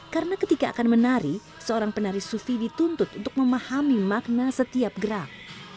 karena ketika akan menari seorang penari suvi dituntut untuk memahami makna setiap gerak